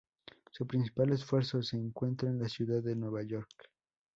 Su principal esfuerzo se concentra en la ciudad de Nueva York.